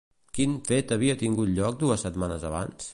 Quin fet havia tingut lloc dues setmanes abans?